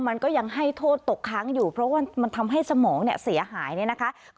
มันก็ยังให้โทษตกค้างอยู่เพราะว่ามันทำให้สมองเนี่ยเสียหายเนี่ยนะคะ